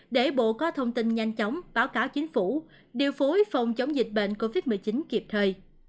để bộ có thông tin nhanh chóng báo cáo chính phủ điều phối phòng chống dịch bệnh covid một mươi chín kịp thời